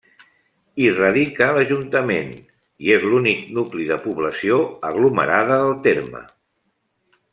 Hi radica l'ajuntament i és l'únic nucli de població aglomerada del terme.